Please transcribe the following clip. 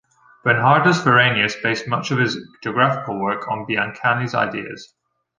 Bernhardus Varenius based much of his geographical work on Biancani's ideas.